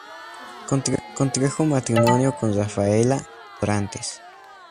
Contrajo matrimonio con Rafaela Dorantes.